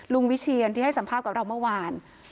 ลุงวิเชียร์ที่ให้สัมภาพกับเราเมื่อวาน